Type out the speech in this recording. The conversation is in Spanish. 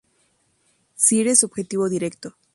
Si eres su objetivo directo